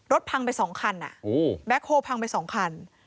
พังไป๒คันแบ็คโฮลพังไป๒คัน